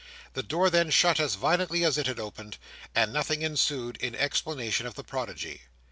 The door then shut as violently as it had opened, and nothing ensued in explanation of the prodigy.